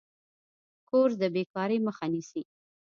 کورس د بیکارۍ مخه نیسي.